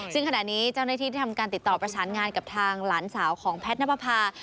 ซึ่งขณะนี้เจ้าหน้าที่ได้ทำการติดต่อประสานงานกับทางหลานสาวของแพทย์นับประพา